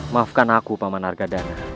maafkan aku paman argadana